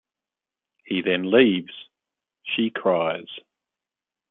He then leaves; she cries.